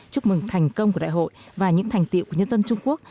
chúc mừng thành công của đại hội và những thành tiệu của nhân dân trung quốc